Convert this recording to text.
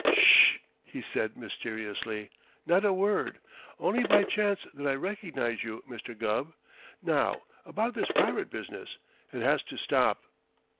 "Sh h!" he said mysteriously. "Not a word. Only by chance did I recognize you, Mr. Gubb. Now, about this pirate business it has to stop."